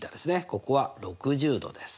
ここは６０°です。